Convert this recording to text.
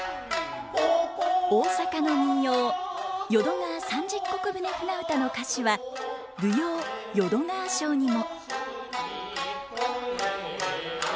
大阪の民謡「淀川三十石船舟唄」の歌詞は舞踊「淀川抄」にも。